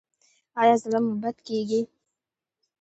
ایا زړه مو بد کیږي؟